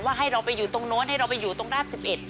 ให้เราไปอยู่ตรงโน้นให้เราไปอยู่ตรงราบ๑๑